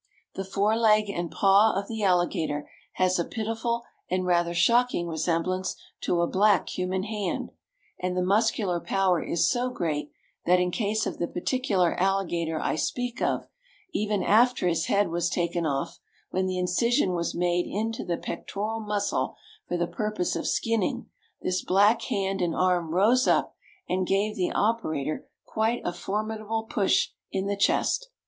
The fore leg and paw of the alligator has a pitiful and rather shocking resemblance to a black human hand; and the muscular power is so great, that in case of the particular alligator I speak of, even after his head was taken off, when the incision was made into the pectoral muscle for the purpose of skinning, this black hand and arm rose up, and gave the operator quite a formidable push in the chest.